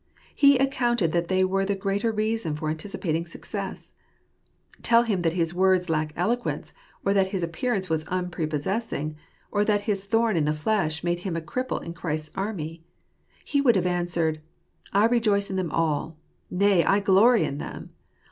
He accounted that they were the greater reason for anticipating success. Tell him that his words lack eloquence, or that his appearance was unprepossessing, or that his thorn in the flesh made him a cripple in Christ's army— he would have answered, " I rejoice in them all— nay, I glory in them.